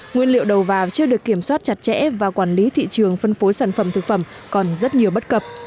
nguyên liệu đầu vào chưa được kiểm soát chặt chẽ và quản lý thị trường phân phối sản phẩm thực phẩm còn rất nhiều bất cập